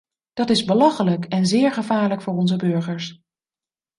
Dat is belachelijk, en zeer gevaarlijk voor onze burgers.